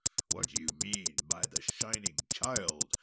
"What do you mean by the Shining Child?"